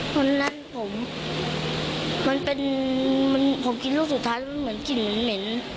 วันนั้นผมมันเป็นผมกินรูปสุดท้ายมันเหมือนกินเหม็นเหมน